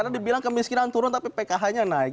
karena dibilang kemiskinan turun tapi pkh nya naik